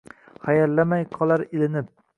Hayallamay qolar ilinib.